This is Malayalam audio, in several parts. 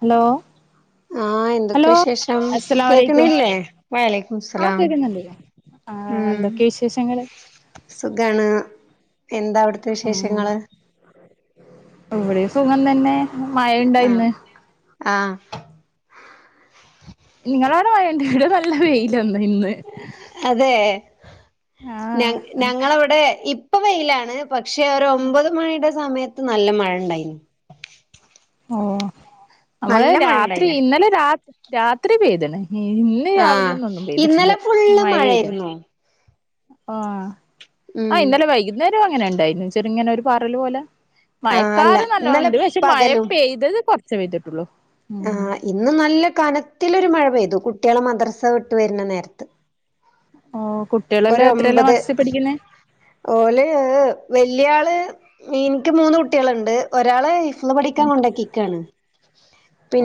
ഹലോ ആഹ് എന്തൊക്കെ ഹലോ വിശേഷം അസലാം അലൈകും കേക്കണില്ലേ വലൈക്കും ആഹ് സ്ലാം കേക്കുന്നുണ്ട്. ആഹ് ഉം എന്തൊക്കെ വിശേഷങ്ങള്. സുഖാണ് എന്താ അവിടത്തെ വിശേഷങ്ങള്. ഇവടെം സുഖം തന്നെ ആഹ് മഴയുണ്ടായിന്ന്. ആഹ് നിങ്ങളവടെ മയണ്ട ഇവിടെ നല്ല വെയിലന്നെ ഇന്ന്. അതെ ഞ ആഹ് ഞങ്ങളവടെ ഇപ്പം വെയിലാണ്. പക്ഷെ ഒരു ഒമ്പത് മണിയുടെ സമയത്ത് നല്ല മഴണ്ടായിന്. ഓഹ് ഇവടെ നല്ല മഴ രാത്രി ഉണ്ടായിന് ഇന്നലെ രാ രാത്രി പെയ്ത്ണ്. ഇന്ന് രാവിലെ ആഹ് ഒന്നും ഒന്നും പെയ്തിട്ടില്ല ഇന്നലെ ഫുള്ള് മഴയില്ല. മഴയായിരുന്നു ആഹ് ആ ഉം ഇന്നലെ വൈകുന്നേരം അങ്ങനെ ഉണ്ടായിരുന്നു ചെറുങ്ങനെ ഒരു പാറല് പോലെ ആഹ് അല്ല മയക്കാറ് നല്ലോണം ഇന്നലെ ഇണ്ട് പക്ഷെ മഴ പകലും പെയ്തത് കൊറച്ചെ പെയ്തിട്ടുള്ളൂ. ഉം ആഹ് ഇന്ന് നല്ല കനത്തിലൊരു മഴ പെയ്തു കുട്ട്യാളെ മദ്രസ വിട്ട് വരുന്ന നേരത്ത്. ഓഹ് കുട്ടേളെല്ലാം എത്രയിലാ ഒരൊമ്പത് മദ്രസിൽ പഠിക്കുന്നേ? ഓല് വല്യാള് ഇൻക്ക് മൂന്ന് കുട്ട്യാളുണ്ട് ഒരാള് ഹിഫ്ള് പഠിക്കാൻ കൊണ്ടാക്കിക്കാണ്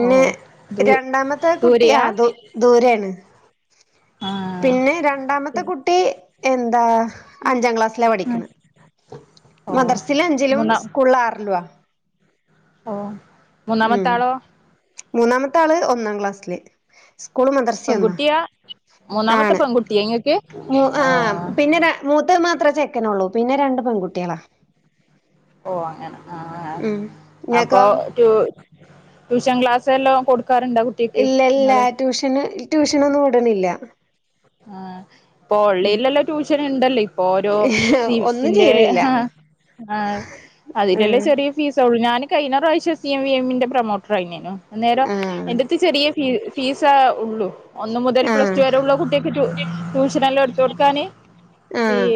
ഓ ദൂ രണ്ടാമത്തെ കുട്ടി ദൂരെയാ അതു ദൂരേണ് ആഹ് പിന്നെ രണ്ടാമത്തെ കുട്ടി എന്താ അഞ്ചാം ക്ലാസ്സിലാ പഠിക്ക്‌ണ് ഓ മദർസില് അഞ്ചിലും മൂന്നാം സ്കൂളില് ആറിലുവാ. ആഹ് ഉം മൂന്നാമത്തെ ആള് ഒന്നാം ക്ലാസ്സില് സ്കൂളും മദർസ്യാ ന്ന് പെൺകുട്ടിയാ ആ മൂന്നാമത്തെ പെൺകുട്ടിയാ ഇങ്ങക്ക് ണ് ആ ആഹ് പിന്നെ ര മൂത്ത ത് മാത്രേ ചെക്കനൊള്ളൂ പിന്നെ രണ്ട് പെൺകുട്ട്യാളാ ഓ അങ്ങനെ ആ ഉം അപ്പൊ ഇങ്ങക്കോ ട്യൂഷൻ ക്ലാസെല്ലാം കൊടുക്കാ റുണ്ടോ കു ഇല്ല ഇല്ല ട്യൂഷന് ട്യൂഷനൊന്നും വിട്ണില്ല ആ ഇപ്പൊ ഓൺലൈനെല്ലാം ട്യൂഷന് ണ്ടല്ലോ ഇപ്പൊ ഓരോ സീവ് ഒന്നും ചെയ്യണില്ല സിന്റെആഹ് ആ അതിലല്ലേ ഉം ചെറിയ ഫീസള്ളൂ ഞാന് കഴിഞ്ഞ പ്രാവശ്യം സി എം വി എംന്റെ പ്രൊമോട്ടർ ആയിനു അന്നേരം ആഹ് എന്റെ ചെറീയ ഫീ ഫീസേഉള്ളൂ ഒന്ന് മുതൽ പ്ലസ് ആഹ് ടു വരെ ഉള്ള കുട്ടിക ടു ട്യൂഷനോല്ലാം എടുത്തൊ ടുക്കാന് ഈ ആഹ്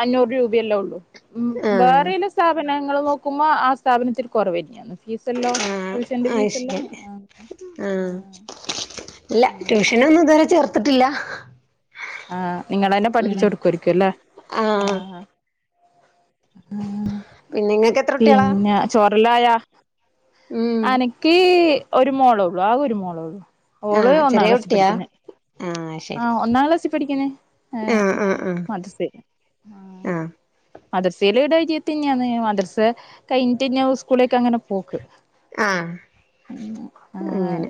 അഞ്ഞൂറ് രൂപയല്ലേ ഉള്ളൂ ഉ ആഹ് വേറേല സ്ഥാപനങ്ങള് നോക്കുമ്പോ ആ സ്ഥാപനത്തിൽ കുറവാ യിരിക്കാം ഫീസല്ലോ ട്യൂഷന്റെ ഫീസല്ലോ ആഹ് ആ ഇല്ല ട്യൂഷനൊന്നും ഇതുവരെ ചേർത്തിട്ടില്ല ആ നിങ്ങളെന്നെ ഉം പഠിപ്പിച്ചു കൊടുക്കുരിക്കും അല്ലേ ആഹ് ആ പിന്നെ ഇങ്ങക്ക് എത്ര കുട്ടികളാ പിന്നെ ചോറല്ലായോ ഉം അനക്ക് ഒരു മോളേള്ളു ആകഒരു മോളേള്ളു ഓള് ആഹ് ഒന്നാം ചെറിയ ക്ലാസ്സിൽ കുട്ടിയാ പഠിക്കുന്ന ആഹ് ശരി ആ ഒന്നാം ക്ലാസ്സിൽ പഠിക്കണേആഹ് [unintelligible] ആ മദർസയിലെ ഇയടെര്യത്തന്നെയന്ന് മദർസ കഴിഞ്ഞിട്ട്ന്ന സ്കൂളിലക്ക് അങ്ങനെ പോക്ക് ആ ആഹ് അങ്ങനെ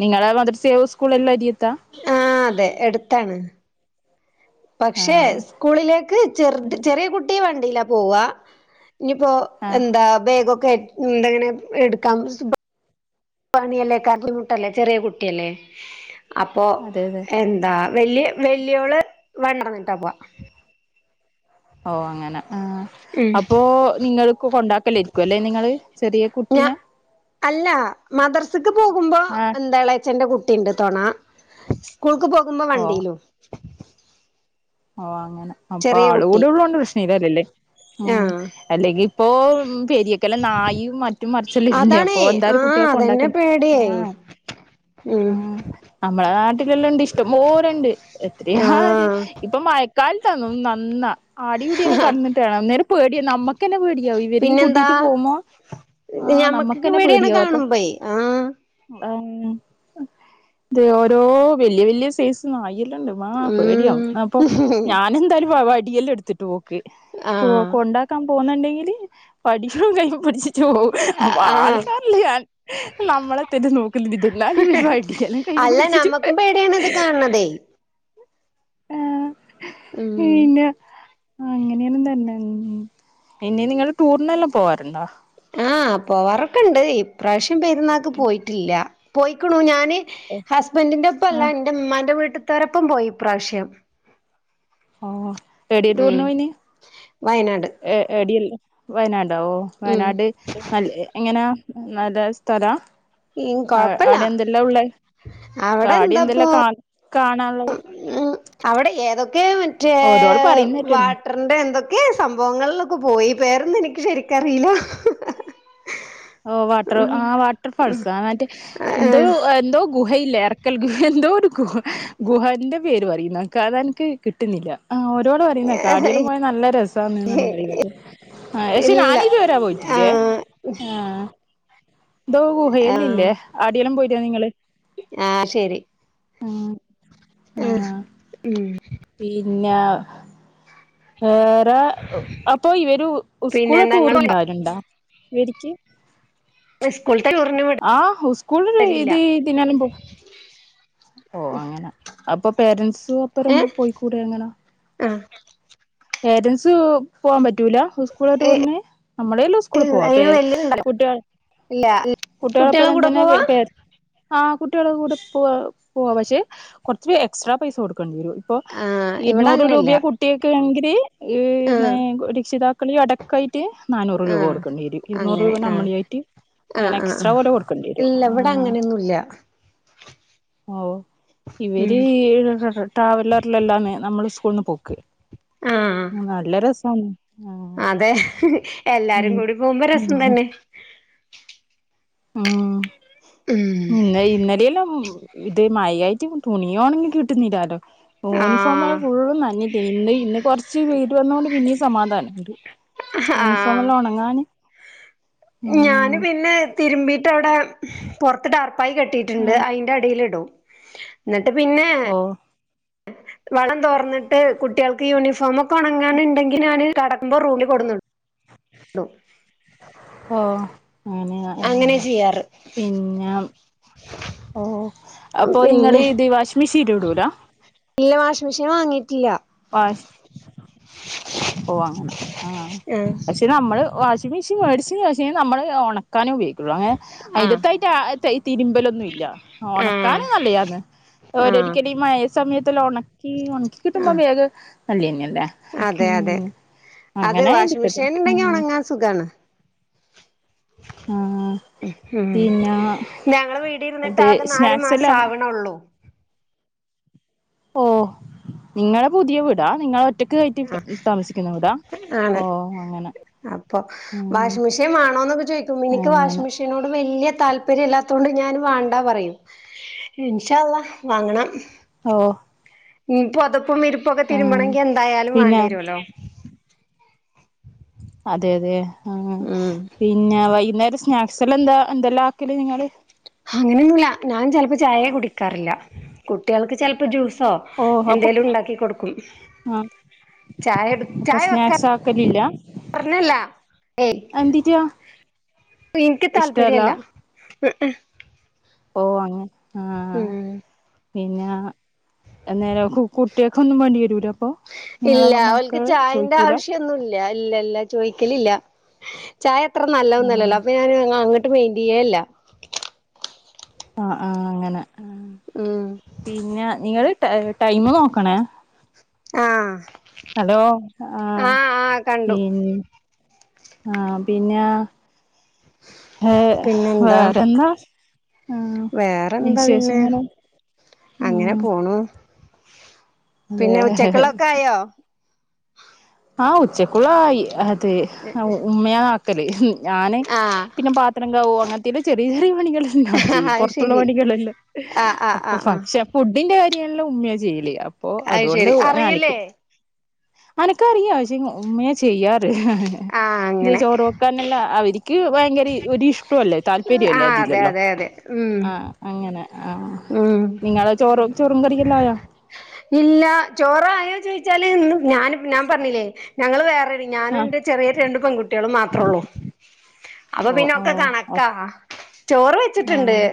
നിങ്ങളെ മദ ർസയു സ്കൂളെല്ലാം അരിയത്താ ആ അതെ എടുത്താണ് പക്ഷെ ആഹ് സ്കൂളിലേക്ക് ചെർത് ചെറിയ കുട്ടി വണ്ടീലപോവ ന്നി പ്പൊ ആഹ് എന്താ ബേഗൊക്കെ ണ്ടെങ്കിലു എടുക്കാം പണിയല്ലേ [unintelligible] ട്ടല്ലേ ചെറിയ കുട്ടിയല്ലേ അപ്പൊ അതെ അതെ എന്താ വല്യ വല്യോള് വ [unintelligible] ട്ടാ പോവാ ഓ അങ്ങന ആ ഉം അപ്പോ നിങ്ങൾക്ക് കൊണ്ടാക്കലരിക്കും അല്ലെ നിങ്ങള് ചെറിയ ഞാ കുട്ടീന അല്ല മദർസക്ക് പോകുമ്പോ ആഹ് എന്താളേച്ചന്റെ കു ണ്ട് തൊണ സ്കൂൾക്ക് പോകുമ്പോ ഓ വണ്ടിലും ഓ അങ്ങനെ അപ്പൊ ചെറിയ ആള് കുട്ടി കൂടെള്ളൊണ്ട് പ്രശ്നം ഇല്ലല്ലേ ഉ ആഹ് അല്ലെങ്കിൽ [unintelligible] ഒല നായും മറ്റും മറച്ചുംല്ലേ അതാണേ അപ്പൊ ന്തായാലും ആഹ് കുട്ടികളെ അതന്നെ കൊണ്ടാക്ക--ആ പേടിയായി ഉം മ്മളെ നാട്ടിലെല്ലാംണ്ട് ഇഷ്ട്ടം പോലണ്ട് എത്രയാത് ആഹ് മയക്കാല തതും നന്നാ അടി കുടിയെ ല്ലാം കടന്നിട്ടാണ് അന്നേരം പേടിയാ നമ്മക്കെന്നെ പേടിയാവും ഇവരെയും കൂട്ടീട്ട് പോകുമ്പോ ആഹ് ഞമ്മക്ക്ന്നേ നമ്മക്കന്നെ പേട്യയാണ് കാണുമ്പേ ആഹ് ആ ഇത ഓരോ വല്ല്യ വല്ല്യ സൈസ് ഒന്നും ആയില്ലല്ലൊ ഉം ആപേടിയാവും അപ്പൊ ഞാൻ എന്തായാലും വടിയെല്ലാം എടുത്തിട്ട് പോക്ക് പോ ആഹ് കൊണ്ട ക്കാൻ പോന്നുണ്ടെങ്കില് പഠിക്കും കൈപിഠിച്ചിട്ട് പോവും അപ്പൊ ആഹ് ആൾക്കാരല്ല ഞാൻ നമ്മളെ തന്നെ നോക്കിനിന്നിട്ട് [unintelligible] കൈകേ അല്ല പിടിച്ചിട്ട നമ്മക്കും പേടിയാണ്ത് കാണ് ന്നതെ ആഹ് ഉം പിന്നെ അങ്ങനെയന്നും തന്ന ഉ ഇനി നിങ്ങള് ടൂറിനെല്ലാം പോവാറ് ണ്ടാ ആഹ് പോവാറുണ്ട്. ഇപ്രാവശ്യം പെരുന്നാൾക്ക് പോയിട്ടില്ല പോയിക്കണു ഞാന് ഹസ്ബന്റിന്റെ ഒപ്പം അല്ല ആഹ് എൻ്റെ ഉമ്മാന്റെ വീട്ടത്താരൊപ്പം പോയി ഇപ്രാവശ്യം ഓഹ് ഏടെ ഉം ടുറിനോയിനി വയനാട് ഏ എടിയൽ വയനാടാ ഓ ഉം വയനാട് നല്ല എങ്ങനാ നല്ല സ്ഥലാ ഉം ആ കൊഴപ്പല്ല അടെ എന്തെല്ലാം ഉള്ള അവിടെ ആടെ എന്താപ്പോ എന്തെല്ലാം കാ കാണാനുള്ളത് അവിടെ ഏതൊക്കെ മറ്റേ ഓരോട് പറയുന്നേട്ട്ണ് വട്ട റിന്റെറെ എന്തൊക്കെ സംഭവങ്ങളിലൊക്കെ പോയി പേരന്നും എനിക്ക് ശരിക്കറിയില്ല ഓഹ് വാട്ടർ ഉം ആഹ് വാട്ടർ ഉം ഫാൾസ് മറ്റേ എന്തോ എന്തോ ഗുഹയില്ല ഇറക്കൽ ഗുഹ എന്തോ ഒരു ഗുഹ ഗുഹന്റെ പേര് പറയുംക്ക് അത് എനിക്ക് കിട്ടുന്നില്ല ആഹ് ഓരോന്ന് പറയുന്നെക്ക ആഹ് അടിയില് പോയ നല്ല രസന്ന് പറയുന്നത്. പക്ഷെ ഇല്ല ഞാനിത് വരാ പോയിട്ടില്ലേ ആഹ് ന്തോ ഗുഹയല്ല ആഹ് ഇല്ലേ അടിയെല്ലും പോയിട്ട നിങ്ങള് ആഹ് ശരി ആ ആഹ് ആ ഉം പിന്നെ വെറെ അപ്പോ ഇവര് പിന്നെ സ്കൂള് ടൂർ ഞങ്ങള് ണ്ടാല്ണ്ടോ ഇവരിക്ക് സ്കൂൾത്തെ ട്യൂർന്നും ആ സ്ക്കുൾ ഇത് ഈ ഓഹ് അങ്ങനെ അപ്പോ പേരന്റ്സ് ഒപ്പരം ഏഹ് പോയിക്കൂടെ അങ്ങനെ ആഹ് പേരൻറ്സ് പോവാൻ പറ്റൂല സ്ക്കുൾ ടുറിന് നമ്മളല്ല സ്കൂള് അയിന് പോവാത്ത വെല്ല്യത്ണ്ടോ കുട്ടി ഇല്ല കുട്ട്യള് പ്പ കുട്ടികളെ കൂടെ ങ്ങന്തന്നെ പോവാ [unintelligible] ആഹ കുട്ടിള കൂടെ പോ പോവാ, പക്ഷെ കൊറച്ച് എക്സ്ട്രാ പൈസ കൊടുക്കണ്ടിരും പ്പോ ആഹ് ഇവിടെ ഇരുന്നൂറ് അങ്ങനെല്ല രൂപയാ കുട്ടിയക്കെങ്കില് യ് ആഹ് ന്ന് രക്ഷിതാക്കളടക്ക ഒക്ക ആയിട്ട് നാനൂറ് രൂപ ആഹ് കൊടുക്കേണ്ടി വരും ഇരുന്നൂറ് അങ്ങനെ രൂപ ആഹ് നമ്മളിയായിട്ട് ആഹ് അങ്ങനെ ആഹ് എക്സ്ട്രാ ആഹ് പോലെ കൊടുക്കേണ്ടി വരും ഇല്ല ആ ഇവിടെ അങ്ങനെയൊന്നുല്ല ഓ ഉം ഇവര് ട്രാവലറിലെല്ലന്ന് നമ്മൾ സ്കൂളന്ന് പോക്ക് ആഹ് നല്ല രസാണ് ആ അതെ എല്ലാരും ഉം കൂടി പോകുമ്പോ രസം തന്നെ ഉം ഉം ഇന്ന ഇന്നലെല്ലാം ഇത് മഴായിട്ട് തുണിയണങ്ങി കിട്ടുന്നില്ലാലോ യൂണിഫോം ആഹ് ഫുള്ളും നഞ്ഞിട്ടെ ഇന്ന് ഇന്ന് കൊറച്ച്‌ വെയ്ൽ വന്നൊണ്ട് പിന്നെയും സമാധാനംണ്ട് ആഹ് യൂണഫോമല്ലാം ഒണങ്ങാന് ഞാന് പിന്നെ തിരുമ്പീട്ടവിടെ പുറത്ത് ടാർ പായി കെട്ടിയിട്ടുണ്ട് ആഹ് അയ് അടിലിട്ടും ഇന്നിട്ട് പിന്നെ ഓ വളളം തോർന്നിട്ട് കുട്ടികൾക്ക് യൂണിഫോമക്കെ ഉണങ്ങാനു ഉണ്ടെങ്കിൽ ഞാൻ കടക്കുമ്പോ റൂമിൽ കൊടുന്നിടും ഓ അങ്ങനെ ആ അങ്ങനെ ചെയ്യാറ് പിന്നെ ഓ അപ്പോ നിങ്ങൾ പിന്നെ ഇത് വാഷിംഗ് മിഷീനിലിടൂല? ഇല്ല വാഷിംഗ് മെഷീൻ വാങ്ങിയിട്ടില്ല വാഷ് ഓ അങ്ങനെ ആഹ് പക്ഷെ നമ്മൾ വാഷിംഗ് മിഷീൻ വെടിച്ച്ണ് പക്ഷേ നമ്മൾ ഉണക്കാനെ ഉയോഗിക്കുള്ളൂ അങ്ങനെ അയിന്റെ ത തിരുമ്പലൊന്നും ഇല്ല ആഹ് ഉണക്കാന് നല്ല യാണത് ആഹ് ഓരരിക്കടി ഈ മഴ സമയത്ത് ഉണക്കി ഉണക്കി കിട്ടുമ്പോ ആഹ് വേഗം നല്ലന്നെയല്ലേ അതെ അതെ ഉം അത് അങ്ങനെ വാഷിംഗ് ഇരിക്കട്ടെ മെഷീൻ ഉണ്ടെങ്കിൽ ഉം ഉണങ്ങാൻ സുഖമാണ് ആഹ് ഉം പിന്നെ ഞങ്ങള് വീട് ഇരുന്നിട്ട് ഇത് ആകെ നാല് സ്നാക്സ് മാസം എല്ലാം ആവണള്ളൂ ഓ നിങ്ങളെ പുതിയ വീടാ നിങ്ങളെ ഒറ്റക്ക് കയറ്റി ആഹ് താമസിക്കുന്ന വീടാ ഓ ആണ് അങ്ങനെ അപ്പൊ ഉം വാഷിങ് മിഷീൻ വേണോന്നൊക്കെ ചോയ്ക്കും ഇനിക്ക് വാഷിങ് അങ്ങനെ മിഷീ നോട് വലിയ താല്പര്യം ഇല്ലാത്തോണ്ട് ഞാൻ വാണ്ടാന്ന് പറയും ഇൻഷാ അള്ളാ വാങ്ങണം ഓഹ് മം പൊതുപ്പും വിരിപ്പൊക്കെ ആഹ് തിരുമ്പണങ്കി എന്തായാലും പിന്നെ വേണ്ടരുല്ലോ അതെ അതെ. ആ ഉം പിന്ന വൈന്നേരം സ്നാക്സ് എല്ലാ എന്താ എന്തെല്ലാ ആക്കല് നിങ്ങള്? അങ്ങനെന്നുല്ല ഞാൻ ചെലപ്പോ ചായയെ കുടിക്കാറില്ല. കുട്ടികൾക്ക് ചെലപ്പോ ജ്യൂസോ ഓഹ് അപ്പൊ എന്തേലും ണ്ടാക്കി കൊടുക്കും. ആഹ് ചായ എട് അപ്പൊ ചായ വെക്ക സ്നാക്സ് ആക്കലില്ല പറഞ്ഞല്ല. ഏയ് എന്തിറ്റാ ഇനിക്ക് ഇഷ്ടല്ല താല്പര്യല്ല. മ്മ് മ്മ്. ഓ അങ്ങനെ ആഹ് ഉം പിന്നാ എന്നേരം കുട്ട്യക്കൊന്നും വേണ്ടി വരൂല്ല അപ്പൊ. നിങ്ങളെ മക്കള് ചോയി ക്കൂല ല്ലല്ല ചോദിക്കലില്ല. ചായ അത്ര നല്ലന്നല്ലല്ലോ ആഹ് അപ്പൊ ഞാന് മൈൻഡ്യെല്ല ആഹ് ആ ഹ് അങ്ങന മം പിന്ന നിങ്ങള് ടൈം നോക്കണേ. ആഹ് ഹലോ ആഹ് ആഹ് കണ്ടു പിന്ന ആഹ് പിന്നാ. ആഹ് പിന്നെന്താ വേറെന്നാ. വേറെന്താ പിന്നെ അങ്ങനെ ആഹ് പോണു. അതെ പിന്നെ ഉച്ചക്ക്ള്ളോക്കെ ആയോ? ആഹ് ഉച്ചക്കുള്ളായി അത് ഉമ്മയാന്ന് ആക്കല് ഞാന് ആഹ് പിന്നെ പാത്രം കൗവ. അങ്ങനത്തെല് ചെറിയ ചെറിയ പണികളല്ലാം ഞാൻ ചെയ്യു അത് പൊറത്തുള്ള ശരി പണികളെല്ലം ആഹ് ആഹ് ആ ഹ് മ്മ് ഫുഡിന്റെ കാര്യല്ലം ഉമ്മയ ചെയ്ല് അപ്പൊ അത് അതോണ്ട് ശരി നക്ക് അറിയില്ലേ ക്കറിയ പശ്ശെ ഉമ്മയാ ചെയ്യാറ് ആഹ് ന്ത്യെ അങ്ങനെ ചോറു വെക്ക ല്ല അവരിക്ക് ഭയങ്കര ഒരു ഇഷ്ടുല്ല താല്പര്യല്ലേ ആഹ് അതെ അതിലല്ലോ അതെ അതെ ഉം ആഹ് അങ്ങന ആ ഉം നിങ്ങള ചോറോ ചോറും കറിയേല്ലായൊ? ഇല്ലാ ചോറായോ ചോയ്ച്ചാല് ഇന്ന് ഞാന് ഞാൻ പറഞ്ഞില്ലേ ഞങ്ങള് വേറെടി ഞാനും ആഹ് ഇന്റെ ചെറിയ രണ്ട് പെൺകുട്ട്യോളും മാത്രൊള്ളൂ അപ്പൊ ഓ ഓ പിന്നൊക്കെ കണക്കാ ചോറ് വെച്ചിട്ട്ണ്ട് ആഹ്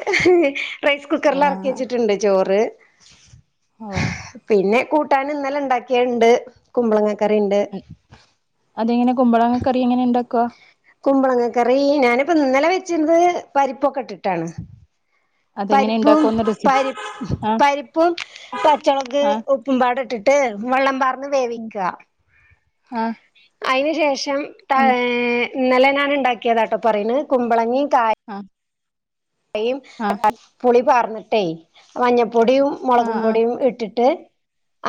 റൈസ് കുക്കറില് എറക്കി ആഹ് വെച്ചിട്ടുണ്ട് ചോറ് ഓ പിന്നെ കൂട്ടാന് ഇന്നലെ ഇണ്ടാക്കിയ്ണ്ട് കുമ്പളങ്ങ കറിണ്ട്. അതെങ്ങനെ കുമ്പളങ്ങ കറി എങ്ങനെ ഇണ്ടാക്കുവാ കുമ്പളങ്ങ കറി ഞാനിപ്പം ന്നലെ വെച്ചിര്ന്നത് പരിപ്പൊക്കെ ഇട്ടിട്ടാണ്. അതെങ്ങനെ പരിപ്പും ഇണ്ടാക്കുവന്ന് റെസിപ്പി പരി ആഹ് പരിപ്പും പച്ചൊളക് ആഹ് ഉപ്പും പാട് ഇട്ടിട്ട് വള്ളം പാർന്ന് വേവിക്ക ആഹ് അയിന് ശേഷം ഏഹ് ന്നലെ ഞാൻ ഇണ്ടാക്കിയതാട്ടോ പറയണ് കുമ്പളങ്ങി കായിം ആഹ് യിം പുളി പാർന്നിട്ടെയ് മഞ്ഞപ്പൊടിം മൊളകും ആഹ് ആഹ് ആഹ് പൊടിം ഇട്ടിട്ട്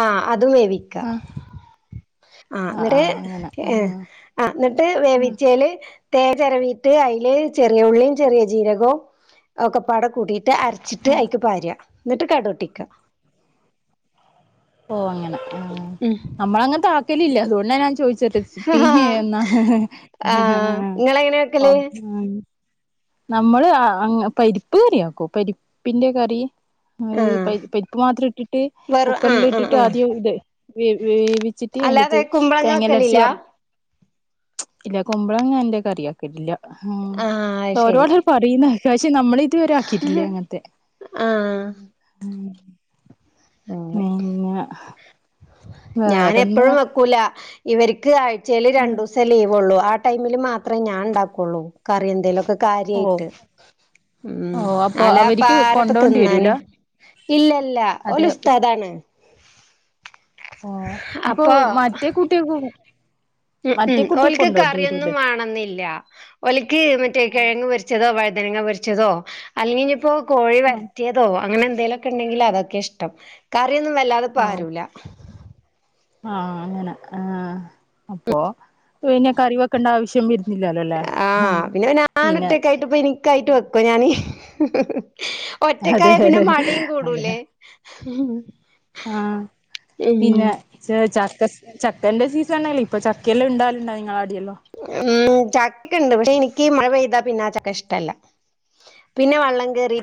ആ അതും വേവി ക്ക ആഹ് ആഹ് ന്നിട്ട് ഏഹ് ആ ന്നട്ട് ആഹ് വേവിച്ചേല്. തേങ്ങചേരവീട്ട് അയില് ചെറിയ ഉള്ളീം ചെറിയ ജീരകോം ഒക്കെപ്പാടെ കൂടിട്ട് അരച്ചിട്ട് ആഹ് അയിക്ക് പാരാ. ന്നിട്ട് കടൊട്ടിക്ക ഓഹ് അങ്ങന മം നമ്മളങ്ങൻത്താക്കലില്ല അുകൊണ്ടാ ഞാൻ ചോയ് ആഹ് നിങ്ങളെങ്ങനെ വെക്കല് [unintelligible] നമ്മള് ആ പരിപ്പ് കറി ആക്കും പരിപ്പിന്റെ കറി അയ് ആഹ് പര് പരിപ്പ് മാത്രം ഇട്ടിട്ട് വെറു ആഹ് ആഹ് കുക്കറിലിട്ടിട്ട് ആഹ് ആദ്യം ഇട് വേവിച്ചിട്ട് അല്ലാതെ അതിന്റെത്ത് കുമ്പളങ്ങ തേങ്ങല്ലാം അരച്ച് വെക്കലില്ല വറ [inaudible] ഇല്ല കുമ്പളങ്ങ എന്റെ കറിയാക്കീട്ടില്ല ആഹ് അത് ശരി [unintelligible] പറീന്ന് കേക്ക പക്ഷെ നമ്മളിതുവരെ ആക്കിയിട്ടില്ല അങ്ങൻത്തെ ആഹ് ഉം അങ്ങനെ [unintelligible] ഞാനെപ്പഴും വെക്കൂല ഇവർക്ക് ആഴ്ചേല് ആഹ് രണ്ടൂസേ ലീവൊള്ളൂ ആ ടൈമില് മാത്രേ ഞാൻ ണ്ടാക്കുള്ളൂ കറി എന്തേലൊക്കെ ഓ കാര്യായ്ട്ട് ഉം ഓ അപ്പൊ അവർക്ക് അലാപ്പാരപ്പ കൊണ്ടോണ്ടി വരൂല തിന്നാന് ഇല്ലല്ല അതെ ഓലുസ്താദാണ് ഓ അപ്പൊ മറ്റേ കുട്ട്യാക്കും ഉം ഉം ഓൽക്ക് കറിയൊന്നും വേണംന്നില്ല ഓൽക്ക് മറ്റേ കിഴങ്ങ് പൊര് [unintelligible] വഴുതനങ്ങ പൊരിച്ചതോ അല്ലെങ്കിപ്പോ കോഴി ആഹ് വരട്ടിയ തോ അങ്ങനെന്തേലൊക്കെണ്ടെങ്കിതൊക്കെ ഇഷ്ടം കറിയൊന്നും വല്ലാതെ ഓ പാരൂല ആഹ് അങ്ങനെ ആഹ് അപ്പൊ പിന്നെ കറി വെക്കണ്ട ആവശ്യം വരുന്നില്ലല്ലോല്ലേ ഉം പിന്നെ ട്ട്പ്പിനിക്കായിട്ട് വെക്കോ ഞാന് അതെ ഒറ്റക്കായാ പിന്നെ മടിയും അതെ കൂടൂലേ [unintelligible] [unintelligible] ചെ ചക്ക ചക്കന്റെ സീസണണെല്ലേ ഇപ്പൊ ചക്കയെല്ലാം ഇണ്ടാവലുണ്ടോ ങ്ങളാടിയെല്ലോ? ഉം ചക്കണ്ട് പക്ഷെ എനിക്കീ മഴ പെയ്താ പിന്നാ ചക്ക ഇഷ്ടല്ല പിന്നെ വള്ളം കേറി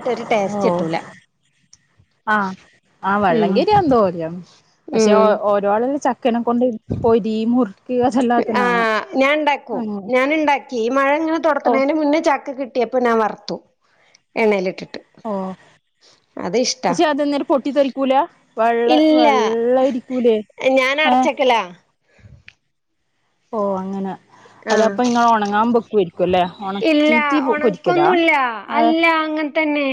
ഓഹ് [unintelligible] ആഹ് ആഹ് ഉം വെള്ളങ്കേറിയാ എന്തോല്ലാവും പക്ഷെ ഉം ഓരാള് ചക്കനെ കൊണ്ട് പോരി മുർ ആ ഞാൻ ണ്ടാക്കും അങ്ങനെ ഞാന്ണ്ടാക്കി ഈ മഴ ഇങ്ങനെ ഓഹ് തുടത്തണതിന്റെ മുന്നേ ചക്ക കിട്ടി ട്ടിയപ്പോ ഞാൻ വർത്തു എണ്ണയിലിട്ടിട്ട് ഓ അതിഷ് പക്ഷെ അതന്നേരം പൊട്ടിത്തെറിക്കൂല വള്ള വള്ളായിരിക്കൂലേ? ഞാനടച്ചക്കലാ ഓ അങ്ങനെ ആഹ് അതപ്പൊ നിങ്ങളൊണങ്ങാൻ വക്കോര്ക്കുംല്ലേ ഇല്ല ഉണക്കീട്ട് പൊരിക്കലാ ഒണക്കൊന്നുല്ല ഏ അല്ല അങ്ങൻ തന്നെ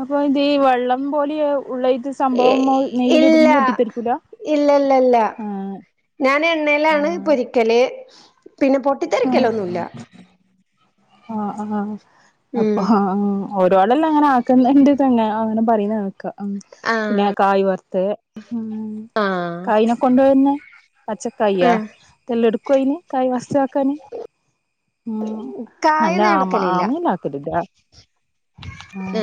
അപ്പൊ ഇത്ഈ വെള്ളം പോലെ ഉള്ള ഇത് ഏ സംഭവം ഇല്ല നെയ്യിലിടുമ്പോ പൊട്ടിത്തെറിക്കൂല ഇല്ലല്ലല്ല ആ ഞാൻ ആ എണ്ണയിലാണ് പൊരിക്കല് പിന്നെ പൊട്ടിത്തെറിക്കലൊന്നുല്ല ആഹ് ആഹ് ഉം അപ്പൊ ഹാ ആഹ് ഓരോളല്ലാം അങ്ങനെ ആക്കുന്നന്റെ തന്നെ അങ്ങനെ പറയുന്നാക്ക പിന്നെ ആഹ് കായ് വർത്തെ ഉം ആഹ് കായനെ കൊണ്ടുവരുന്നേ പച്ചക്കായ്യാ ആഹ് തെല്ല എടുക്ക [unintelligible] കായി വസ ഉം കായ അന്നെ ഒന്നും ഞാൻ ആമ ആമ [unintelligible] ഇതാ ഏ